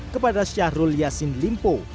kepada syahrul yassin dimpu